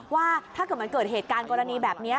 ว่าถ้าเกิดมันเกิดเหตุการณ์กรณีแบบนี้